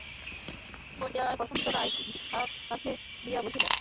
বলিয়া বসন্ত রায় বিভার কাছে গিয়া বসিলেন।